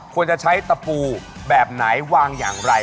ควรจะใช้ตะปูแบบไหนวางอย่างไร